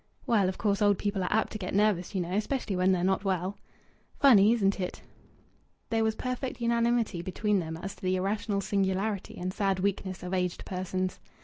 "Well, of course old people are apt to get nervous, you know especially when they're not well." "Funny, isn't it?" There was perfect unanimity between them as to the irrational singularity and sad weakness of aged persons.